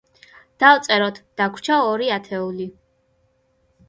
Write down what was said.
დავწეროთ, დაგვრჩა ორი ათეული.